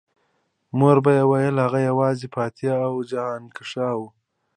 مور به ویل هغه یوازې فاتح او جهانګشا و